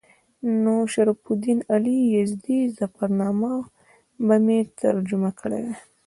نو د شرف الدین علي یزدي ظفرنامه به مې ترجمه کړې وای.